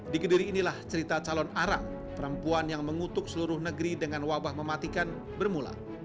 di kediri inilah cerita calon arang perempuan yang mengutuk seluruh negeri dengan wabah mematikan bermula